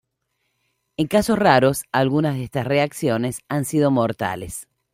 En casos raros algunas de estas reacciones han sido mortales.